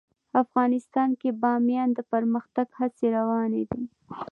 افغانستان کې د بامیان د پرمختګ هڅې روانې دي.